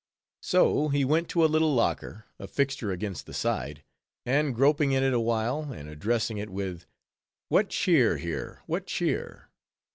So he went to a little locker, a fixture against the side, and groping in it awhile, and addressing it with—_"What cheer here, what cheer?"